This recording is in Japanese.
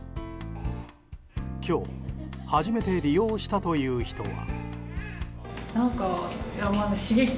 今日、初めて利用したという人は。